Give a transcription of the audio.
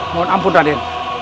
mohon ampun raden